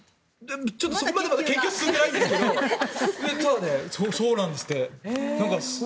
ちょっとそこまでは研究が進んでないんですけどでも、そうなんですって。